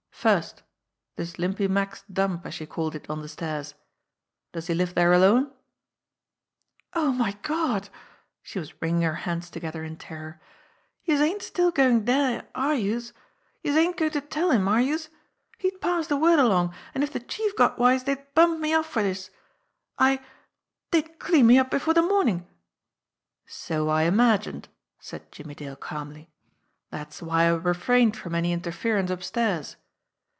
First, this Limpy Mack's dump, as you called it on the stairs. Does he live there alone?" "Oh, my Gawd !" She was wringing her hands together in terror. "Youse ain't still goin' dere, are youse? Youse ain't goin' to tell him, are youse ? He'd pass de word along, an' if de Chief got wise dey'd bump me off for dis. I dey'd clean me up before de mornin'!" "So I imagined," said Jimmie Dale calmly. "That's why I refrained from any interference upstairs.